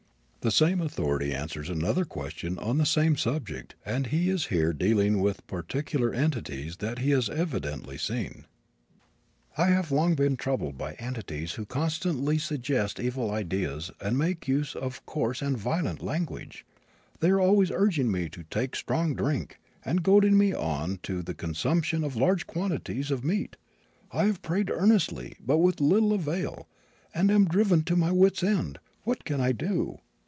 The same authority answers another question on the same subject and he is here dealing with particular entities that he has evidently seen: "I have long been troubled by entities who constantly suggest evil ideas and make use of coarse and violent language. They are always urging me to take strong drink, and goading me on to the consumption of large quantities of meat. I have prayed earnestly, but with little avail, and am driven to my wits' end. What can I do?"